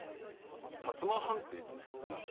薩摩藩邸に？